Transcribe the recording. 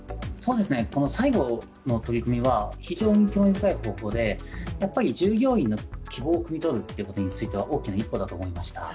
最後の取り組みは非常に興味深い方法で従業員の希望をくみ取るということについては大きな一歩だと思いました。